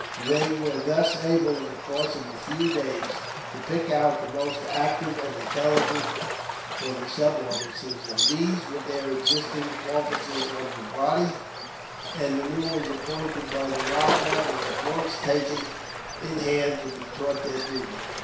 They were thus able, in the course of a few days, to pick out the most active and intelligent for the sub officers; and these, with the existing officers of the body, and the new ones appointed by the rajah, were at once taken in hand to be taught their duty.